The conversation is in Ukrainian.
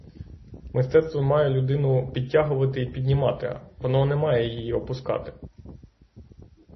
Мистецтво має людину підтягувати і піднімати, воно не має ії опускати.